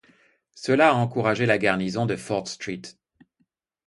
Cela a encouragé la garnison de Fort St.